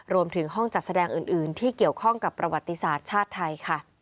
รวมถึงห้องจัดแสดงอื่นที่เกี่ยวข้องกับประวัติศาสตร์ชาติไทยค่ะ